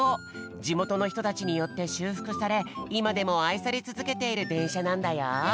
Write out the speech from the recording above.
じもとのひとたちによってしゅうふくされいまでもあいされつづけているでんしゃなんだよ。